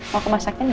mau kemas sakin gak